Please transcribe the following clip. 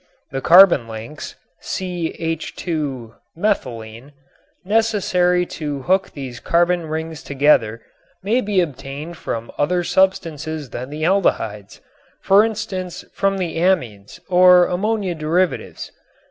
The carbon links ( CH_ , methylene) necessary to hook these carbon rings together may be obtained from other substances than the aldehydes, for instance from the amines, or ammonia derivatives.